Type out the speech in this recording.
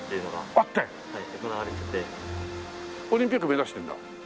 オリンピック目指してるんだ？